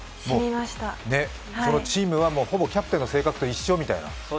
そのチームはほぼキャプテンの性格と一緒という？